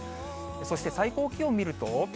そして最高気温見ると。